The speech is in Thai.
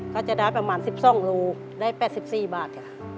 ก็จะได้ประมาณ๑๐ซ่องรูได้๘๔บาท